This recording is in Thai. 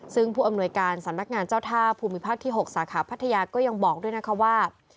ซึ่งผู้อำนวยการสำนักงานเจ้าท่าภูมิภาคที่๖สาขาพัทยาก็ยังบอกด้วยนะคะว่า